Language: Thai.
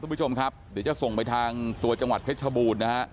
คุณผู้ชมครับเดี๋ยวจะส่งไปทางตัวจังหวัดเพชรชบูรณ์นะฮะ